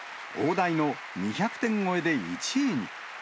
大台の２００点超えで１位に。